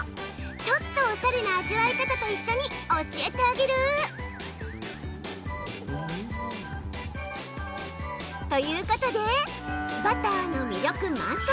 ちょっとおしゃれな味わい方と一緒に教えてあげる！ということでバターの魅力満載！